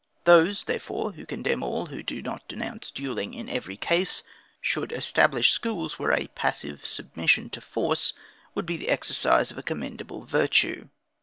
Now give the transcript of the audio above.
Those, therefore, who condemn all who do not denounce duelling in every case, should establish schools where a passive submission to force would be the exercise of a commendable virtue.